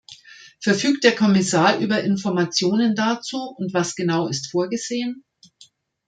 Verfügt der Kommissar über Informationen dazu, und was genau ist vorgesehen?